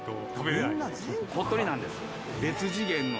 鳥取なんです。